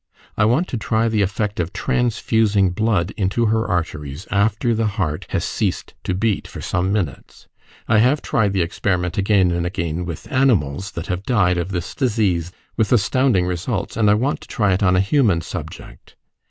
I want to try the effect of transfusing blood into her arteries after the heart has ceased to beat for some minutes. I have tried the experiment again and again with animals that have died of this disease, with astounding results, and I want to try it on a human subject.